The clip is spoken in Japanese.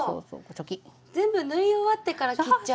全部縫い終わってから切っちゃう。